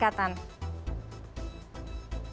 kita tentu kalau tidak mencapai kesepakatan